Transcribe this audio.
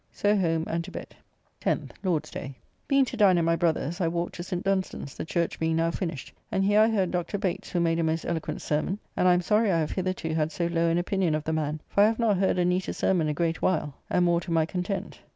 So home and to bed. 10th (Lord's day). Being to dine at my brother's, I walked to St. Dunstan's, the church being now finished; and here I heard Dr. Bates,' who made a most eloquent sermon; and I am sorry I have hitherto had so low an opinion of the man, for I have not heard a neater sermon a great while, and more to my content.